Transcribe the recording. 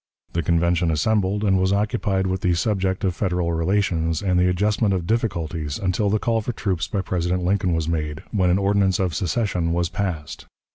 The Convention assembled, and was occupied with the subject of Federal relations and the adjustment of difficulties until the call for troops by President Lincoln was made, when an ordinance of secession was passed.